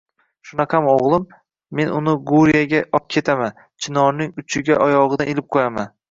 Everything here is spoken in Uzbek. Shunaqami, oʻgʻlim?! Men uni Guriyaga opketaman, chinorning uchiga oyogʻidan ilib qoʻyaman…